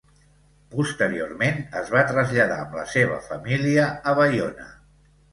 Posteriorment es va traslladar amb la seva família a Baiona.